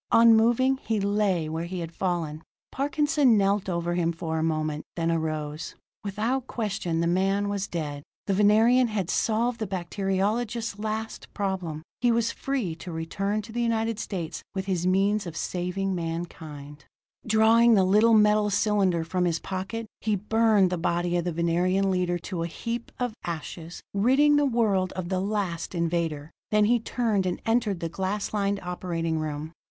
Unmoving, he lay where he had fallen. Parkinson knelt over him for a moment, then arose. Without question, the man was dead. The Venerian had solved the bacteriologist's last problem; he was free to return to the United States with his means of saving mankind. Drawing the little metal cylinder from his pocket, he burned the body of the Venerian leader to a heap of ashes, ridding the world of the last invader. Then he turned and entered the glass lined operating room.